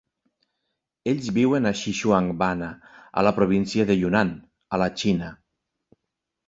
Ells viuen a Xishuangbanna, a la província de Yunnan, a la Xina.